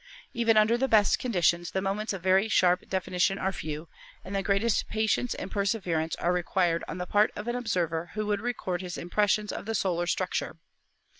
Even under the best conditions the moments of very sharp definition are few, and the greatest patience and perseverance are required on the part of an observer who would record his impressions of the solar structure.